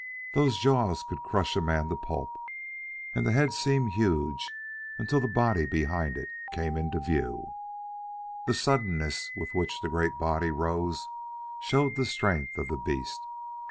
Those jaws could crush a man to pulp. And the head seemed huge until the body behind it came into view. The suddenness with which the great body rose showed the strength of the beast.